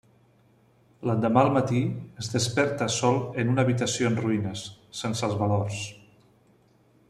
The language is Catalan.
L'endemà al matí es desperta sol en una habitació en ruïnes, sense els valors.